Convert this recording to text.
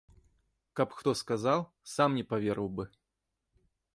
Каб хто сказаў, сам не паверыў бы.